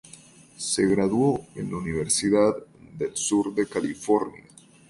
Se graduó en la Universidad del Sur de California.